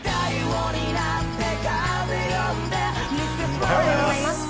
おはようございます。